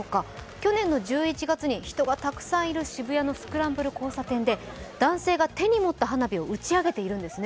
去年の１１月に人がたくさんいる渋谷のスクランブル交差点で男性が手に持った花火を打ち上げているんですね。